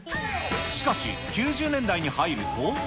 しかし、９０年代に入ると。